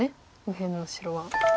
右辺の白は。